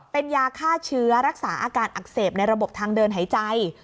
เป็นยาฆ่าเชื้อรักษาอาการอักเสบในระบบทางเดินหายใจ